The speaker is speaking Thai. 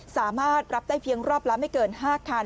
สามารถรับได้เพียงรอบละไม่เกิน๕คัน